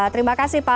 terima kasih pak